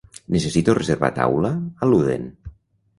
necessito reservar taula a Ludden